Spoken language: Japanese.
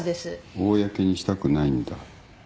公にしたくないんだ。